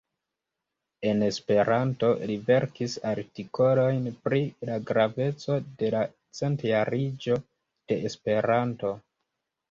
En Esperanto, li verkis artikolojn pri la graveco de la Centjariĝo de Esperanto.